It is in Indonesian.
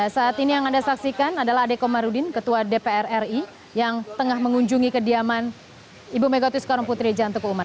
saat ini yang anda saksikan adalah adekomarudin ketua dpr ri yang tengah mengunjungi kediaman ibu megawati soekarumputri jantoko umar